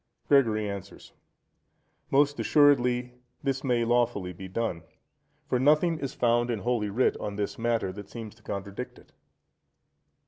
Gregory answers.—Most assuredly this may lawfully be done; for nothing is found in Holy Writ on this matter that seems to contradict it.